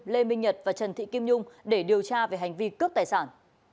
lê minh nhật và trần thị kim nhung để điều tra về hành vi cướp tài sản